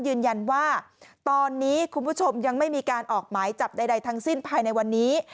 ยืนยันว่าตอนนี้คุณผู้ชมยังไม่มีการออกหมายจับใดทั้งสิ้นภายในวันนี้